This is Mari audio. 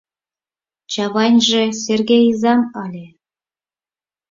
Чавайнже Серге изам ыле...